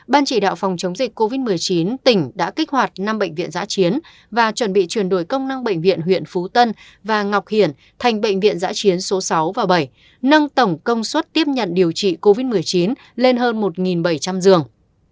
ban chỉ đạo phòng chống dịch covid một mươi chín tỉnh đã kích hoạt năm bệnh viện giã chiến và chuẩn bị chuyển đổi công năng bệnh viện huyện phú tân và ngọc hiển thành bệnh viện giã chiến số sáu và bảy nâng tổng công suất tiếp nhận điều trị covid một mươi chín lên hơn một bảy trăm linh giường